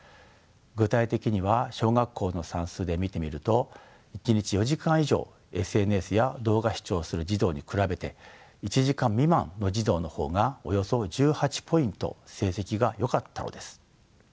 具体的には小学校の算数で見てみると一日４時間以上ＳＮＳや動画視聴する児童に比べて１時間未満の児童の方がおよそ１８ポイント成績がよかったのです。